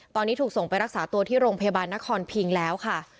ตอนนี้ถูกส่งไปรักษาตัวที่โรงพยาบาลนครพิงแล้วค่ะ